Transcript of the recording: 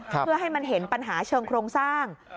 เพื่อให้มันเห็นปัญหาเชิงโครงสร้าง